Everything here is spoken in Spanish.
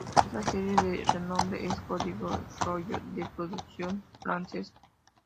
Otra serie de renombre es "Código Lyoko" de producción francesa.